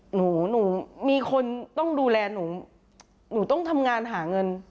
หนูหนูมีคนต้องดูแลหนูหนูต้องทำงานหาเงิน